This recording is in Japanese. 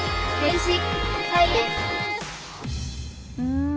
うん。